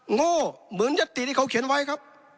โง่เหมือนยัตติที่เขาเขียนไว้ครับ